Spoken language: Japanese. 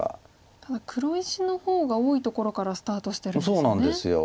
ただ黒石の方が多いところからスタートしてるんですよね。